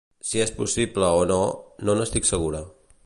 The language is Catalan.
Si és possible o no, no n’estic segura.